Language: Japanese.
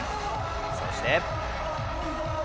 そして。